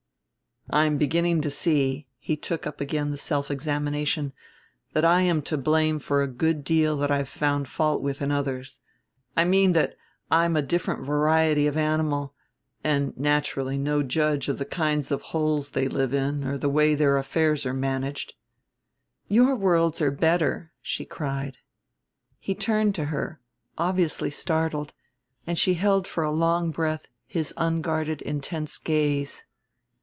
"I'm beginning to see," he took up again the self examination, "that I am to blame for a good deal that I've found fault with in others. I mean that I'm a different variety of animal, and, naturally, no judge of the kinds of holes they live in or the way their affairs are managed." "You are worlds better!" she cried. He turned to her, obviously startled, and she held for a long breath his unguarded intense gaze.